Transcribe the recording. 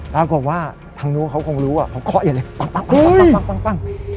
แล้วก็บอกว่าทางนู้นเค้าคงรู้อะเค้าเคราะห์อยู่เลยปั๊บปั๊บปั๊บปั๊บปั๊บปั๊บปั๊บ